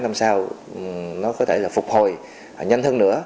làm sao nó có thể là phục hồi nhanh hơn nữa